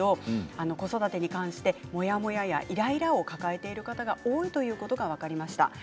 子育てに関して、モヤモヤやイライラを抱えていることが多いということが分かりました。